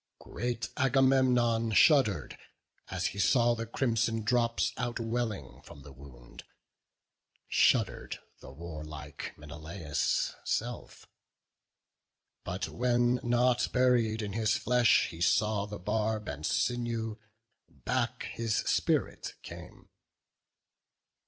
Great Agamemnon shudder'd as he saw The crimson drops out welling from the wound; Shudder'd the warlike Menelaus' self; But when not buried in his flesh he saw The barb and sinew, back his spirit came.